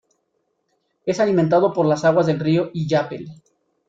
Es alimentado por las aguas del río Illapel.